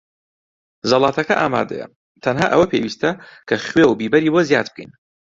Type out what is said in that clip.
زەڵاتەکە ئامادەیە. تەنها ئەوە پێویستە کە خوێ و بیبەری بۆ زیاد بکەین.